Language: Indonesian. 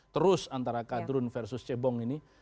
terus antara kadrun versus cebong ini